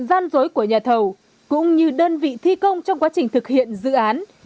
gian dối của nhà thầu cũng như đơn vị thi công trong quá trình thực hiện dự án